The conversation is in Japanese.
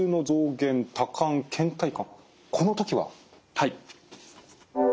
はい。